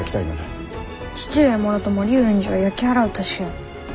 「父上もろとも龍雲寺を焼き払うとしよう」。